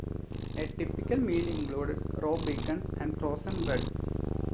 A typical meal included raw bacon and frozen bread.